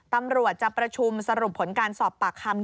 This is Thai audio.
ตำรวจจะประชุมสรุปผลการสอบปากคำ